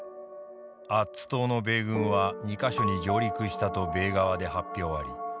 アッツ島の米軍は２箇所に上陸したと米側で発表あり。